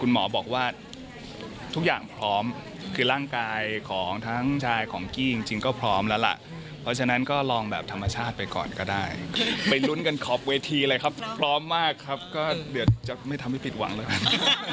หมอบอกว่าทุกอย่างพร้อมคือร่างกายของทั้งชายของกี้จริงก็พร้อมแล้วล่ะเพราะฉะนั้นก็ลองแบบธรรมชาติไปก่อนก็ได้ไปลุ้นกันขอบเวทีเลยครับพร้อมมากครับก็เดี๋ยวจะไม่ทำให้ผิดหวังแล้วกัน